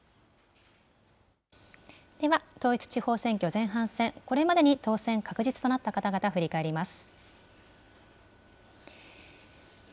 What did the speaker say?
では、統一地方選挙、前半戦、これまでに当選確実となった方々、振り返ります。